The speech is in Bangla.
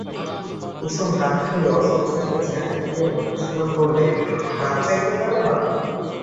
কুমুর হাত ধরে অসহ্য একটা ঝাঁকানি দিয়ে মধুসূদন বললে, মাপ চাইতেও জান না?